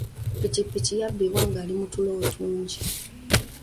Pikipiki yabbibwa ng'ali mu ttulo otungi.